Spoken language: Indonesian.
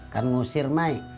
kan ngusir mai